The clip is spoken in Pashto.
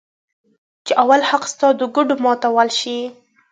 چې اول حق ستا د ګوډو ماتو شي.